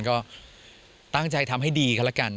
ก็ตั้งใจทำให้ดีก็แล้วกัน